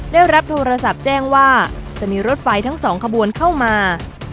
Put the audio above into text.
ได้รับโทรศัพท์แจ้งว่าจะมีรถไฟทั้งสองขบวนเข้ามา